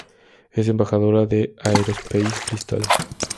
Es embajadora de Aerospace Bristol.